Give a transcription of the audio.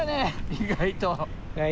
意外とね。